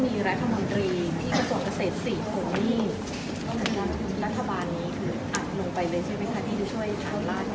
ที่กระทรวงเศรษฐ์๔ตรงนี้